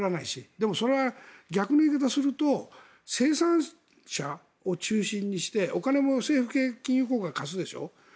でもそれは逆の言い方をすると生産者を中心にしてお金も政府系金融公庫が貸すでしょう。